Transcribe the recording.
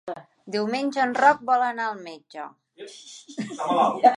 Diumenge en Roc vol anar al metge.